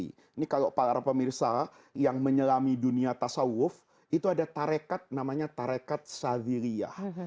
ini kalau para pemirsa yang menyelami dunia tasawuf itu ada tarekat namanya tarekat saziliyah